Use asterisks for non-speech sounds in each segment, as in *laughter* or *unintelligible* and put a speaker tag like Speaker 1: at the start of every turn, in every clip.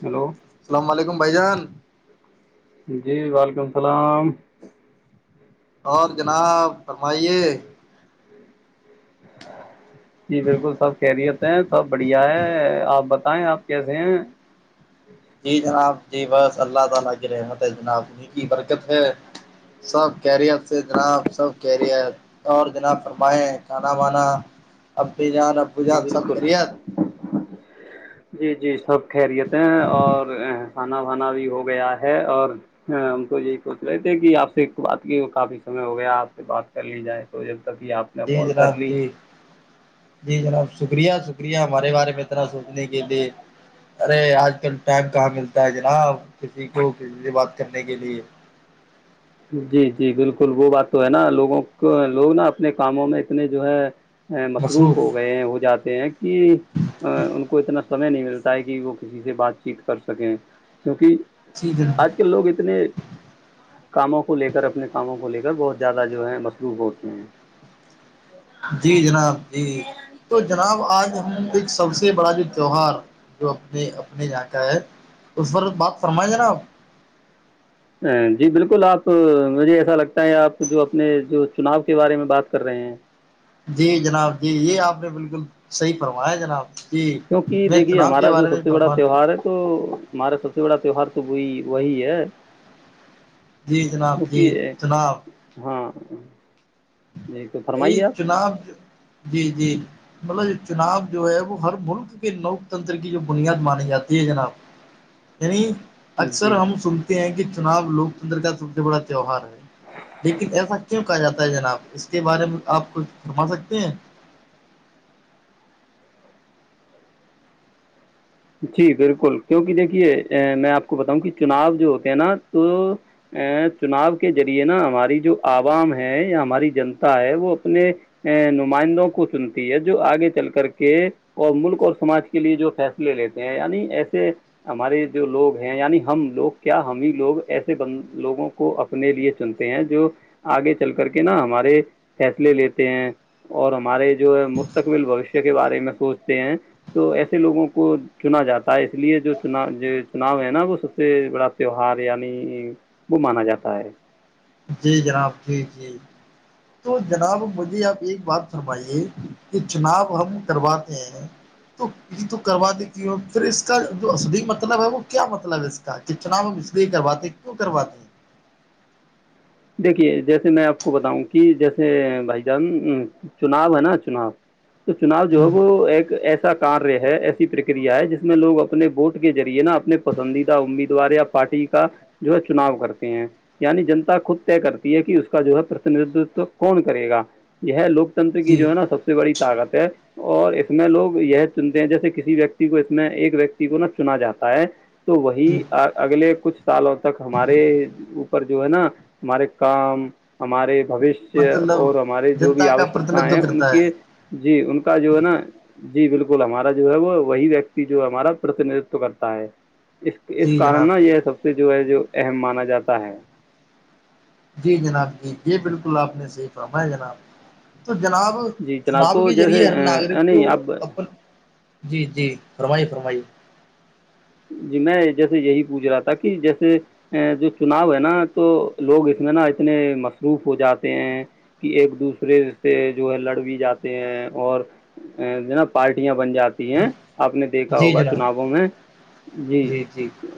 Speaker 1: hello
Speaker 2: السلام علیکم بھائی جان
Speaker 1: جی وعلیکم السلام
Speaker 2: اور جناب فرمائیے
Speaker 1: جی بالکل سب خریت ہیں سب بڑھیا ہے آپ بتائیں آپ کیسے ہیں
Speaker 2: *unintelligible* سب کیریئر سے جناب سب کیریئر اور جناب فرمائے کھانا وانا اب جار
Speaker 1: جی بالکل
Speaker 2: *inaudible*
Speaker 1: جی جی سب خیریت ہیں اور کھانا ونا بھی ہو گیا ہے اور ہاں ہم تو یہی سوچ رہے تھے کہ آپ سے ایک بات کی کافی سمے ہو گیا آپ سے بات کر لی جائے تو جب تک کہ آپ نے
Speaker 2: جی
Speaker 1: کال کر
Speaker 2: جناب
Speaker 1: لی
Speaker 2: جی جی جناب شکریہ شکریہ ہمارے بارے میں اتنا سوچنے کے لیے ارے آج کل ٹائم کہاں ملتا ہے جناب کسی کو کسی سے بات کرنے کے لیے
Speaker 1: جی جی بالکل وہ بات تو ہے نا لوگوں کو لوگ نا اپنے کاموں میں اتنے جو ہے مصروف ہو گئے ہیں ہو جاتے ہیں کہ ان کو اتنا سمے نہیں ملتا ہے کہ وہ کسی سے بات چیت کر سکیں کیونکہ
Speaker 2: سی جناب
Speaker 1: آج کل لوگ اتنے کاموں کو لے کر اپنے کاموں کو لے کر بہت زیادہ جو ہے مصروف ہوتے ہیں
Speaker 2: جی جناب جی تو جناب آج ہم ایک سب سے بڑا جو تیوہار جو اپنے اپنے یہاں کا ہے اس پر بات فرمائ جناب
Speaker 1: جی بالکل آپ مجھے ایسا لگتا ہے آپ جو اپنے جو چناؤ کے بارے میں بات کر رہے ہیں
Speaker 2: جی جناب جی یہ آپ نے بالکل صحیح فرمایا ہے جناب جی
Speaker 1: کیونکہ
Speaker 2: میں
Speaker 1: دیکھیے
Speaker 2: چناؤ کے
Speaker 1: ہمارا جو
Speaker 2: بارے میں
Speaker 1: سب سے بڑا
Speaker 2: فرما
Speaker 1: تیوہار ہے تو ہمارا سب سے بڑا تیوہار تو وہی وہی ہے
Speaker 2: جی جناب جی
Speaker 1: کیونکہ
Speaker 2: جناب
Speaker 1: ہاں جی تو فرمائیے
Speaker 2: ایک
Speaker 1: آپ
Speaker 2: چناب جی جی مطلب چناب جو ہے وہ ہر ملک کے لوک تنتر کی جو بنیاد مانی جاتی ہے جناب یعنی اکثر
Speaker 1: جی
Speaker 2: ہم سن ہیں کہ چناب لوکتنتر کا سب سے بڑا تیوہار ہے لیکن ایسا کیوں کہا جاتا ہے جناب اس کے بارے میں آپ کچھ فرما سکتے ہیں
Speaker 1: جی بالکل کیونکہ دیکھیے میں آپ کو بتاؤں کہ چناؤ جو ہوتے ہیں نا تو چناؤ کے ذریعے نا ہماری جو عوام ہے یا ہماری جنتا ہے وہ اپنے نمائندوں کو چنتی ہے جو آگے چل کر کے اور ملک اور سماج کے لیے جو فیصلہ لے لیتے ہیں یعنی ایسے ہمارے جو لوگ ہیں یعنی ہم لوگ کیا ہم ہی لوگ ایسے بند لوگوں کو کو اپنے لیے چنتے ہیں جو آگے چل کر کے نا ہمارے فیصلے لیتے ہیں اور ہمارے جو مستقبل بھویشیا کے بارے میں سوچتے ہیں تو ایسے لوگوں کو کو چنا جاتا ہے اس لیے جو چنا جو چناؤ ہے نا وہ سب سے بڑا تیوہار یعنی وہ مانا جاتا ہے
Speaker 2: جی جناب جی جی تو جناب مجھے آپ ایک بات فرمائیے یہ چناب ہم کرواتے ہیں تو یہ تو کروا دے کیوں پھر اس کا جو اسلئے مطلب ہے وہ کیا مطلب ہے اس کا کہ چناؤ ہم اس لیے کرواتے ہیں کیوں کرواتے ہیں
Speaker 1: دیکھیے جیسے میں آپ کو بتاؤں کہ جیسے بھائی جان چناؤ ہے نا چناؤ تو چناؤ جو ہے
Speaker 2: ہیں
Speaker 1: وہ ایک ایسا کاریہ ہے ایسی پرکریہ ہے جس میں لوگ اپنے ووٹ کے ذریعے نا اپنے پسندیدہ امیدوار یا پارٹی کا جو ہے چناؤ کرتے ہیں یعنی جنتا خود کرتی ہے کہ اس کا جو ہے پرتندتو کون کرے گا یہ لوک تنٹرا کی
Speaker 2: جی
Speaker 1: جو ہے نا سب سے *unintelligible* اور اس میں لوگ یہ چنتے ہیں جیسے کسی ویکتی کو اس میں ایک ویکتی کو نا چنا جاتا ہے تو وہی
Speaker 2: جی
Speaker 1: اگلے کچھ سالوں تک ہمارے اوپر جو ہے نا ہمارے کام ہمارے بوشیہ
Speaker 2: مطلب
Speaker 1: اور ہمارے جو بھی
Speaker 2: جنتا کا
Speaker 1: آوشکتا ہیں
Speaker 2: پرتیندتو
Speaker 1: ان
Speaker 2: کرتا ہے
Speaker 1: کے جی ان کا جو ہے نا جی بالکل ہمارا جو ہے وہ وہی ویکتی جو ہمارا پرتندتو کرتا ہے اس اس
Speaker 2: جی
Speaker 1: کارن
Speaker 2: جناب
Speaker 1: نا
Speaker 2: جی
Speaker 1: یہ سب سے جو ہے جو اہم مانا جاتا ہے
Speaker 2: جی جناب جی جی بالکل آپ نے صحیح فرمایا ہے جناب تو جناب
Speaker 1: جی جناب
Speaker 2: چناب
Speaker 1: تو
Speaker 2: کے ذریعے
Speaker 1: جیسے
Speaker 2: ہر
Speaker 1: اے،
Speaker 2: ناگرک کو
Speaker 1: یعنی اب
Speaker 2: اپن جی جی فرمائیے فرمائیے
Speaker 1: جی میں جیسے یہی پوچھ رہا تھا کہ جیسے ا جو چناؤ ہے نا تو لوگ اس میں نا اتنے مصروف ہو جاتے ہیں کہ ایک دوسرے سے جو ہے لڑ بھی جاتے ہیں اور جو نا پارٹیاں بن جاتی ہیں آپ نے دیکھا
Speaker 2: جی
Speaker 1: ہوگا
Speaker 2: جناب
Speaker 1: چناؤوں میں جی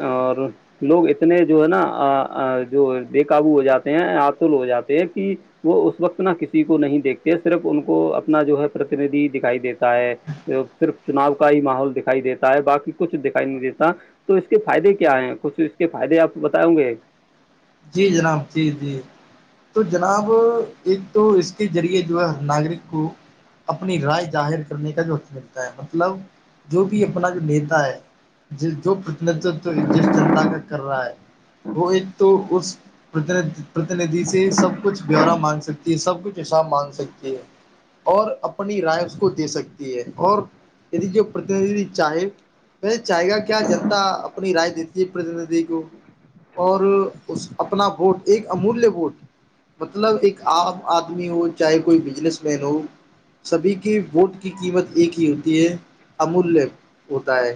Speaker 1: اور لوگ اتنے جو ہے نا جو بے کاابو ہو جاتے ہیں آتل ہو جاتے ہیں کہ وہ اس وقت نا کسی کو نہیں دیکھتے صرف ان کو اپنا جو ہے پرتیندھی دکھائی دیتا ہے صرف چناؤ کا ہی ماحول دکھائی دیتا ہے باقی کچھ دکھ نہیں دیتا تو اس کے فائدے کیا ہیں کچھ اس کے فائدے آپ بتائؤیں گے
Speaker 2: جی جناب جی جی تو جناب ایک تو اس کے ذریعے جو ہے ناگرک کو اپنی رائے ظاہر کرنے کا جوط ملتا ہے مطلب جو بھی اپنا جو نیتا ہے جو پرتند جس جنتا کا کر رہا ہے وہ ایک تو اس پرتیندھی سے سب کچھ بیورا مانگ سکتی ہے سب کچھ حساب مانگ سکتی ہے اور اپنی رائے اس کو دے سکتی ہے اور د جو پرتیندھی چاہے پ چاہے گا کیا جنتا اپنی رانیتی پرتندھی کو اور اس اپنا ووٹ ایک امولیہ ووٹ مطلب ایک عام آدمی ہو چاہے کوئی بزنس مین ہو سبھی کے ووٹ کی قیمت ایک ہی ہوتی ہے امولیہ ہوتا ہے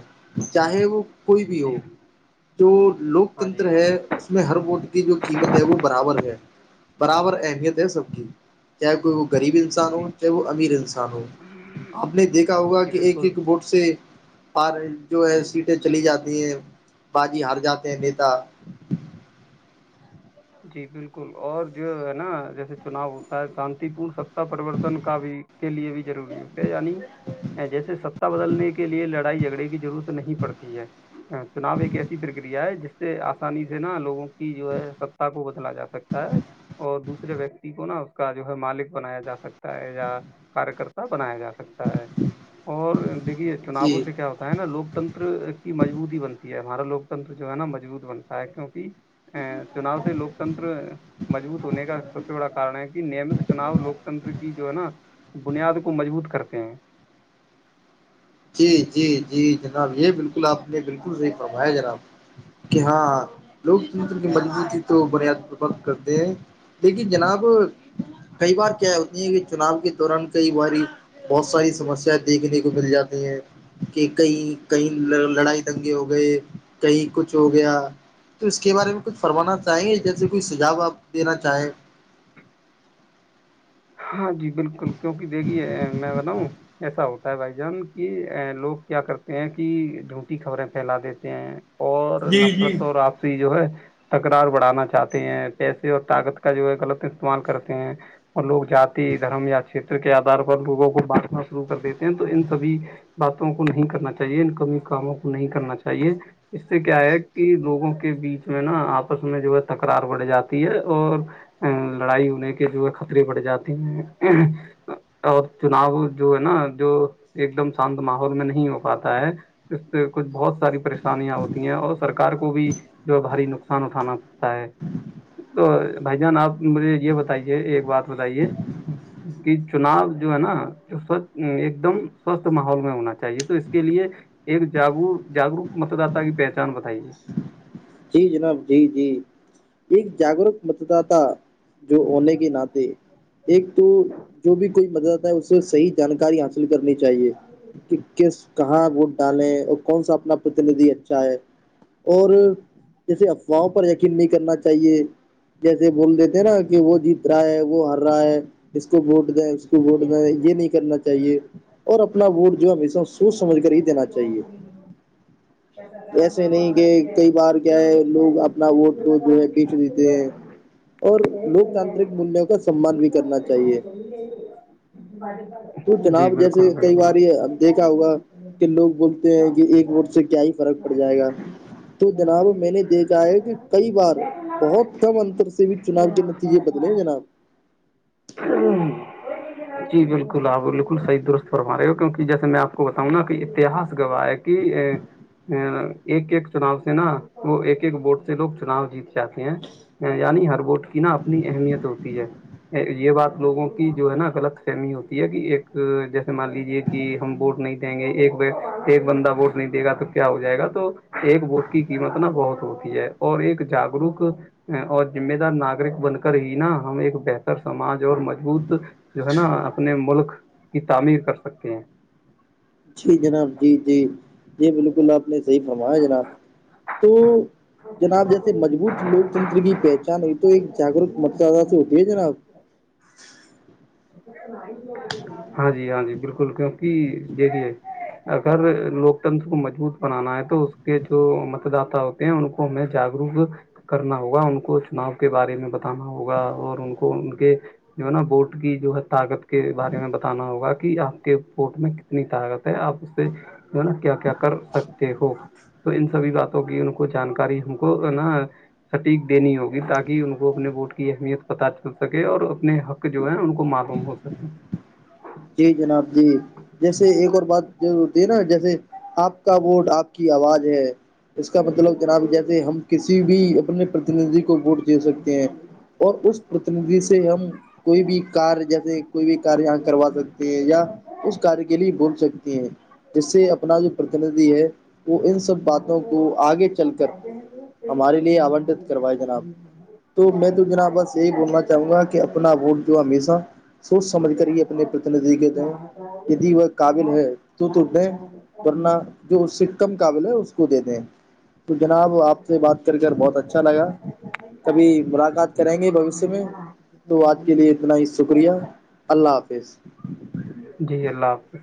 Speaker 2: چاہے وہ کوئی بھی
Speaker 1: جی
Speaker 2: ہو جو
Speaker 1: ہاں
Speaker 2: لوکتنتر
Speaker 1: جی ہاں
Speaker 2: ہے
Speaker 1: جی
Speaker 2: اس اس میں ہر ووٹ کی جو قیمت ہے وہ برابر ہے برابر اہمیت ہے سب کی کیا کوئی غریب انسان ہو
Speaker 1: جی
Speaker 2: چاہے وہ امیر انسان ہو آپ نے دیکھا ہوگا
Speaker 1: جی
Speaker 2: کہ ایک
Speaker 1: بالکل
Speaker 2: ایک ووٹ سے پار جو ہے سیٹیں چلی جاتی ہیں باجی ہار جاتے ہیں نیتا
Speaker 1: جی بالکل اور جو ہے نا جیسے چناؤ ہوتا ہے شانتی پورن ستا پرریورتن کا بھی کے لیے بھی ضروری ہوتے یعنی جیسے ستا بدلنے کے لیے لڑائی جھگڑے کی ضرورت نہیں پڑتی ہے چناؤ ایک ایسی پرکریا ہے جس سے آسانی سے نا لوگوں کی جو ہے سب کو بدلا جا سکتا ہے اور دوسے ویکتی کو نا اس کا جو ہے مالک بنایا جا سکتا ہے یا کاریہ کررتا بنایا جا سکتا ہے اور دیکھیے چناؤوں
Speaker 2: جی
Speaker 1: سے کیا ہوتا ہے نا لوکتنتر کی مجبوتی بنتی ہے ہمارا لوکتنر جو ہے نا مضبوط بنتا ہے کیونک چناؤ سے لوکتنتر مضبوت ہونے کا سب سے بڑا کارن ہے کہ نیمت چناؤ لوکتنتر کی جو ہے نا بنیاد کو مضبوط کرتے ہیں
Speaker 2: جی جی جی جناب یہ بالکل آپ نے بالکل صحیح فرمایا جناب کہ ہاں لوکتنتر کی مضبوط تو بنیاد پرق کرتے ہیں دیکھیے جناب کئی بار کیا ہوتی ہیں کہ چناؤ کے دوران کئی باری بہت ساری سسیا دیکھنے کو مل جاتی کہ کئی کہیں لڑائی دنگے ہو گئے کہیں کچھ ہو گیا تو اس کے بارے میں کچھ فرمانا چاہیں گے جیسے کوئی سجاؤ آپ دینا چاہیں
Speaker 1: ہاں جی بالکل کیوںکہ دے گی ہے میں بتاؤں ایسا ہوتا ہے بھائی جان کہ لوگ کیا کرتے ہیں کہ جھونٹی خبریں پھیلا دیتے ہیں اور نفرت اور آپسی جو ہے تکرار بڑھانا چاہتے ہیں پیسے اور طاقت کا جو ہے غلط استعمال کرتے ہیں اور لوگ جاتی دھرم یا چھیر کے آدار پر لوگوں کو بانٹنا شروع کر دیتے ہیں تو ان سبھی باتوں کو نہیں کرنا چاہیے ان کمی کاموں کو نہیں کرنا چاہیے اس سے کیا ہے کہ لوگوں کے بیچ میں نا آپس میں جو ہے تکرار بڑھ جاتی ہے اور ا لڑائی ہونے کے جو ہے خطرے بڑھ جاتی ہیں اور چناؤ جو ہے نا جو ایک دم شانت ماحول میں نہیں ہو پاتا ہے اس سے کچھ بہت ساری پریشانیاں ہوتی ہیں اور سرک کو بھی جو بھاری نقصان اٹھانا پڑتا ہے تو بھائی جان آپ مجھے یہ بتائیے ایک بات بتائیے کہ چناؤ جو ہے ناھ ایک دم سوستھ ماحول میں ہونا چاہیے تو اس کے لیے ایک جاگ جاگروک متدات کی پہچان بتائیے
Speaker 2: جی جناب جی جی ایک جاگرک مت داتا جو ہونے کے ناطے ایک تو جو بھی کوئی مدد ہے اس سے صحی جانکاری حاصل کرنی چاہیے کہ کس کہاں ووٹ ڈالیں اور کون سا اپنا پرتندھی اچھا ہے اور جسے افواہوں پر یقین نہیں کرنا چاہیے جیسے بول دیتے ہیں نا کہ وہ جیت رہا ہے وہ ہر رہا ہے اس کو ووٹ دیں اس کو ووٹ دیں یہ نہیں کرنا چاہیے اور اپنا ووٹ جو ہمیشہ سوچ سمجھ کر ہی دینا چاہیے ایسے نہیں کہ
Speaker 1: *unintelligible*
Speaker 2: کئی بار کیا ہے لوگ اپنا ووٹ کو جو ہے بیچ دیتے ہیں
Speaker 1: *unintelligible*
Speaker 2: اور لوکتاانترک مولیہوں کا سمان بھی کرنا چاہیے تو
Speaker 1: جی
Speaker 2: جناب
Speaker 1: بالکل
Speaker 2: جیسے کئی
Speaker 1: بالکل
Speaker 2: بار یہ دیکھا ہوگا کہ لوگ بولتے ہیں کہ ایک ووٹ سے کیا ہی فرق پڑ جائے گا تو جناب میں نے دیکھا ہے کہ کئی بار بہت کم انتر سے بھی چناب کے نتیجے بدلے ہیں جناب
Speaker 1: جی بالکل آپ بالکل صحی درست فرم رہے ہو کی جیسے میں آپ کو بتاؤں نا کہ اتہاس گواہ ہے کہ ا ایک ایک چناؤ سے نا وہ ایک ایک ووٹ سے لوگ چناؤ جیتے چاہتے ہیں یعنی ہر ووٹ کی نا اپنی اہمیت ہوتی ہے یہ بات لوگوں کی جو ہے نا غلط فہمی ہوتی ہے کہ ایک جیسے مان لیجے کہ ہم ووٹ نہیں دیں گے ایک ایک بندہ ووٹ نہیں دے گا تو کیا ہو جائے گا تو ایک گوت کی قیمت نا بہت ہوتی ہے اور ایک جاگروک اور ذمہ دار ناگرک بن کر ہی نا ہم ایک بہتر سمج اور مضبوط جو ہے نا اپنے ملک کی تعمیر کر سکتے ہیں
Speaker 2: جی جناب جی جی یہ بالکل آپ نے صحیح فرمایا جناب تو جناب جیسے مضبوط لوک تنر کی پہچان ہوئی تو ایک جاگروک متداد سے ہوتی ہے جناب
Speaker 1: ہاں جی ہاں جی بالکل کیونکہ جی اگر لوکتنتر کو مجبوط بنانا ہے تو اس کے جو متد ان کو ہمیں جاگروک کرنا ہوگا ان کو چناؤ کے بارے میں بتانا ہوگا اور ان کو ان کے جو ہے نا ووٹ کی جو ہے طاقت کے بارے میں بتانا ہوگا کہ آپ کے ووٹ میں کتنی طاقت ہے آپ اس سے جو نا کیا کیا کر سکتے ہو تو ان سبھی باتوں کی ان کو جانکاری ہم کو نا سٹیک دینی ہوگی تاکہ ان کو اپنے ووٹ کی اہمیت پت چل سکے اور اپنے حق جو ہے ان کو ماف آم ہو سے
Speaker 2: جی جناب جی جیسے ایک اور بات جو دینا جیسے آپ کا ووٹ آپ کی آواز ہے اس کا مطلب جناب جیسے ہم کسی بھی اپنے پرتیندھی کو ووٹ دے سکتے ہیں اور اس پرتندھی سے ہم کوئی بھی کار جیسے کوئی بھی ک کروا سکتے ہیں یا اس کاریہ کے لیے بول سکتے ہیں ج سے اپنا جو پرتندھی ہے وہ ان سب باتوں کو آگے چل کر ہمارے لیے آنٹت کروائے جناب تو میں تو جنا بس یہی بولنا چاہوں گا کہ اپنا ووٹ جو ہمیشہ سوچ سمجھ کر یہ اپنے پرتند کے دیں د وہ قابل ہے تو توٹ دیں ورنہ جو اس سے کم قابل ہے اس کو دے د ہیں تو جناب آپ سے بات کر کر بہت اچھا لگا کبھی ملاقات کریں گے بوشیہ میں تو آج کے لیے اتنا ہی شکریہ اللہ حافظ
Speaker 1: جی اللہ حافظ